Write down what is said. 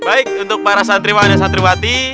baik untuk para santriwan dan santriwati